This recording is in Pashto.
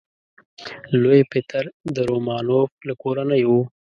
لوی پطر د رومانوف له کورنۍ و.